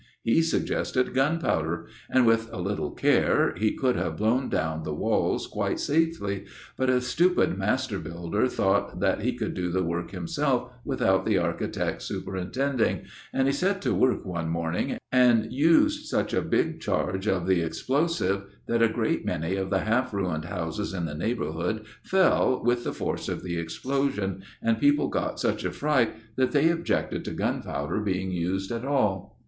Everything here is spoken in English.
He suggested gunpowder; and with a little care he could have blown down the walls quite safely, but a stupid master builder thought that he could do the work himself, without the architect superintending, and he set to work one morning, and used such a big charge of the explosive that a great many of the half ruined houses in the neighbourhood fell with the force of the explosion, and people got such a fright that they objected to gunpowder being used at all.